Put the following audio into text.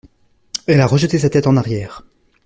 Elle a rejeté sa tête en arrière.